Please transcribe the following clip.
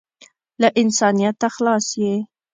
له انسانیته خلاص یې .